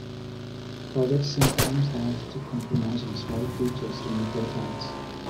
Projects sometimes have to compromise on small features to meet deadlines.